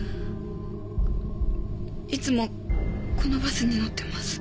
いつもこのバスに乗ってます。